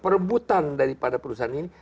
perebutan daripada perusahaan ini